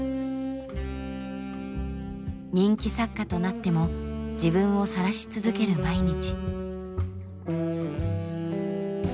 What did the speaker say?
人気作家となっても自分をさらし続ける毎日。